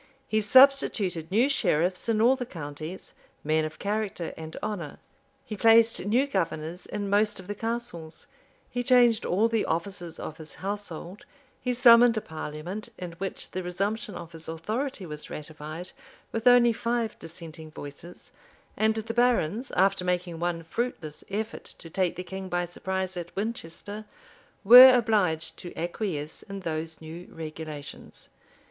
He substituted new sheriffs in all the counties, men of character and honor; he placed new governors in most of the castles; he changed all the officers of his household; he summoned a parliament, in which the resumption of his authority was ratified, with only five dissenting voices; and the barons, after making one fruitless effort to take the king by surprise at Winchester, were obliged to acquiesce in those new regulations.